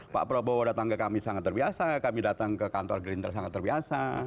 pak prabowo datang ke kami sangat terbiasa kami datang ke kantor gerindra sangat terbiasa